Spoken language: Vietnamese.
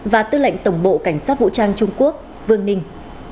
và tư lệnh tổng bộ cảnh sát vũ trang trung quốc vương ninh